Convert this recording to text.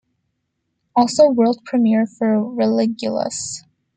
Also world premiere for Religulous.